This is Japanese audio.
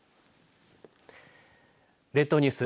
列島ニュース